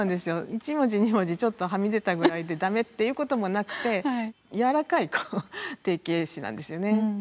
１文字２文字ちょっとはみ出たぐらいで駄目っていうこともなくて柔らかい定型詩なんですよね。